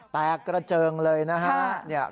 แตกกระเจิงเลยนะครับ